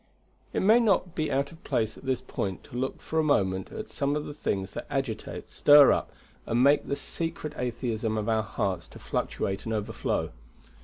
It may not be out of place at this point to look for a moment at some of the things that agitate, stir up, and make the secret atheism of our hearts to fluctuate and overflow.